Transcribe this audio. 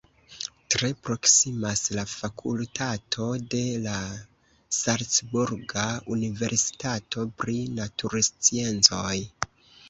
Tre proksimas la fakultato de la salcburga universitato pri natursciencoj.